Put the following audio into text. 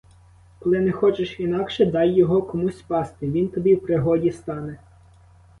Коли не хочеш інакше, дай його комусь пасти, він тобі в пригоді стане.